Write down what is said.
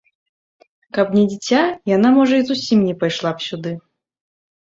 Каб не дзіця, яна, можа, і зусім не пайшла б сюды.